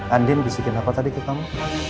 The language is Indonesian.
andi bisa ikut apa tadi ke kamu